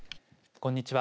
こんにちは。